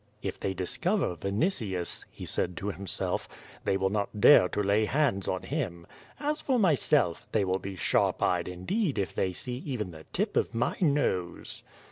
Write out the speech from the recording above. "If they discover Vinitius/* he said to himself, "they will not dare to lay hands on him. As for myself, they will be sharp eyed indeed if they see even the tip of my nose."